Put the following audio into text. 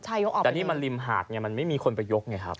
แต่นี่มันริมหาดไงมันไม่มีคนไปยกไงครับ